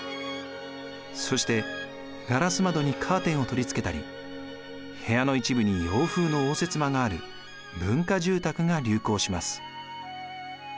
そしてガラス窓にカーテンを取り付けたり部屋の一部に洋風の応接間がある「文化住宅」が流行します。